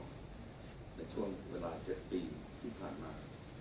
ในช่วงเวลา๗ปีที่ผ่านมา